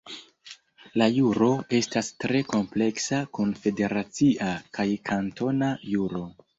La juro estas tre kompleksa kun federacia kaj kantona juro.